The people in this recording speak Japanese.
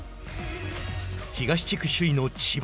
東地区首位の千葉。